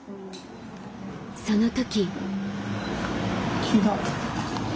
その時。